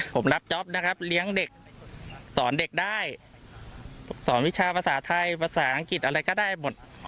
ผมรับจ๊อปนะครับเลี้ยงเด็กสอนเด็กได้สอนวิชาภาษาไทยภาษาอังกฤษอะไรก็ได้หมด